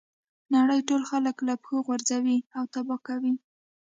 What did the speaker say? نړۍ ټول خلک له پښو غورځوي او تباه کوي.